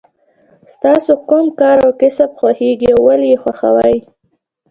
ستاسو کوم کار او کسب خوښیږي او ولې یې خوښوئ.